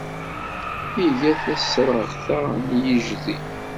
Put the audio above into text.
Iga tasreɣta n yijdi.